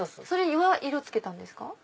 それは色付けたんですか？